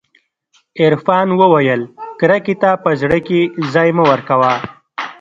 عرفان وويل کرکې ته په زړه کښې ځاى مه ورکوه.